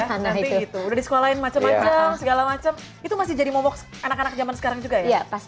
nanti gitu udah disekolahin macam macam segala macam itu masih jadi mobok anak anak zaman sekarang juga ya